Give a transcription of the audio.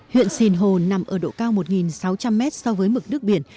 huyện sinh hồ nằm ở độ cao một sáu trăm linh mét so với mực nước biển